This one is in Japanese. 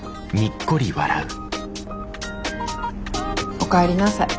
おかえりなさい。